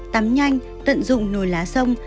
tắm nhanh tận dụng nồi lá sông